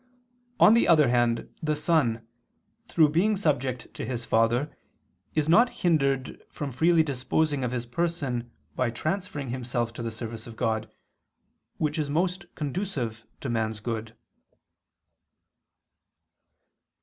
On the other hand, the son, through being subject to his father, is not hindered from freely disposing of his person by transferring himself to the service of God; which is most conducive to man's good.